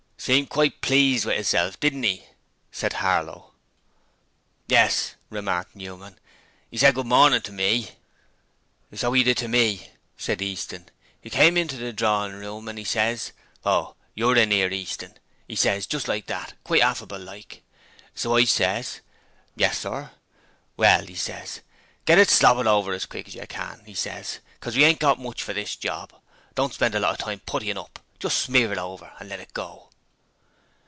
'Seemed quite pleased with 'isself, didn't 'e?' said Harlow. 'Yes,' remarked Newman. ''E said good morning to me!' 'So 'e did to me!' said Easton. ''E come inter the drorin' room an' 'e ses, "Oh, you're in 'ere are yer, Easton," 'e ses just like that, quite affable like. So I ses, "Yes, sir." "Well," 'e ses, "get it slobbered over as quick as you can," 'e ses, "'cos we ain't got much for this job: don't spend a lot of time puttying up. Just smear it over an' let it go!"'